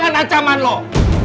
nggak jadi masalah